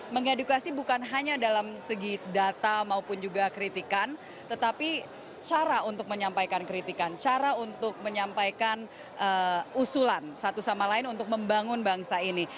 mengedukasi bukan hanya dalam segi data maupun juga kritikan tetapi cara untuk menyampaikan kritikan cara untuk menyampaikan usulan satu sama lain untuk membangun bangsa ini